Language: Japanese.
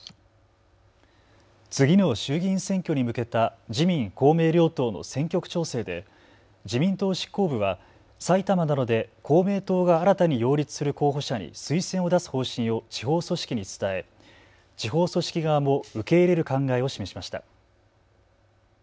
次の衆議院選挙に向けた自民公明両党の選挙区調整で自民党執行部は埼玉などで公明党が新たに擁立する候補者に推薦を出す方針を地方組織に伝え地方組織側も受け入れる考えを示しました。